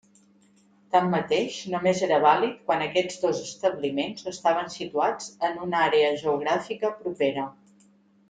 Tanmateix, només era vàlid quan aquests dos establiments estaven situats en una àrea geogràfica propera.